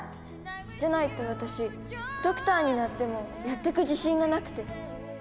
じゃないと私ドクターになってもやってく自信がなくて。